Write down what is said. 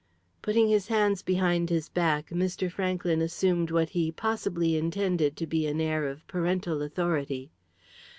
Putting his hands behind his back, Mr. Franklyn assumed what he possibly intended to be an air of parental authority.